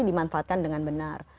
dimanfaatkan dengan benar